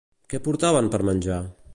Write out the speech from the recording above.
Què portaven per menjar?